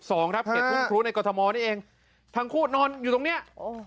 เอ็ดทุ่งครูในกรทมนี่เองทางคู่นอนอยู่ตรงเนี้ย